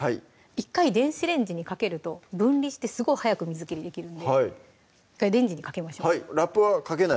１回電子レンジにかけると分離してすごい早く水切りできるんで１回レンジにかけましょうはいラップはかけないで？